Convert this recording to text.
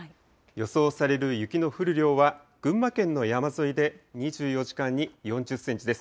予想される雪の降る量は、群馬県の山沿いで２４時間に４０センチです。